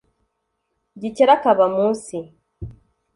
gikeli akaba mu nsi.